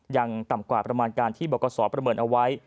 ยังต่ำกว่าประมาณการที่บกษประเมินเอาไว้